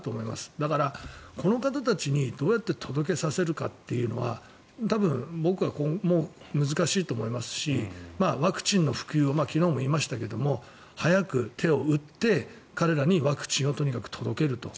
だから、この方たちにどうやって届けさせるかというのは多分僕はもう難しいと思いますしワクチンの普及を昨日も言いましたけど早く手を打って彼らにワクチンをとにかく届けると。